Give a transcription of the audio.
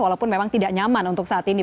walaupun memang tidak nyaman untuk saat ini